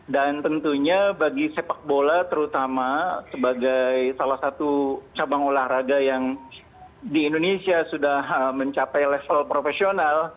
tentunya bagi sepak bola terutama sebagai salah satu cabang olahraga yang di indonesia sudah mencapai level profesional